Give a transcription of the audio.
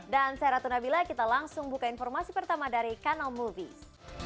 dan saya ratu nabila kita langsung buka informasi pertama dari kanal movies